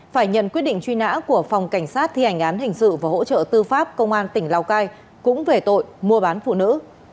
phải nhận quyết định truy nã của phòng cảnh sát thi hành án hình sự và hỗ trợ tư pháp công an tỉnh lào cai cũng về tội mua bán phụ nữ